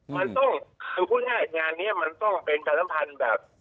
มันต้องคือพูดง่ายงานนี้มันต้องเป็นประชาสัมพันธ์แบบ